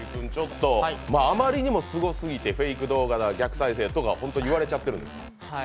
あまりにもすごすぎてフェイク動画だ、逆再生だって本当に言われちゃってるんですか？